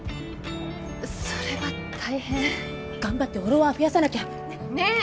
それは大変頑張ってフォロワー増やさなきゃねっ！